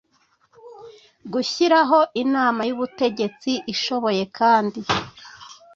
gushyiraho inama y ubutegetsi ishoboye kandi